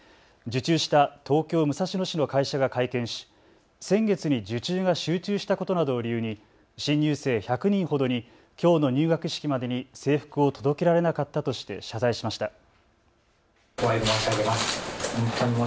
受注した東京武蔵野市の会社が会見し先月に受注が集中したことなどを理由に新入生１００人ほどにきょうの入学式までに制服を届けられなかったとして謝罪しました。